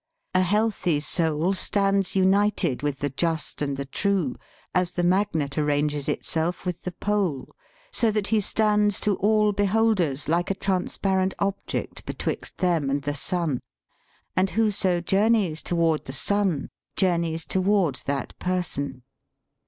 ... A healthy soul stands united with the Just and the True, as the magnet arranges itself with the pole, so that he stands to all beholders like a transparent object betwixt them and the sun, and whoso journeys toward the sun, journeys toward that person.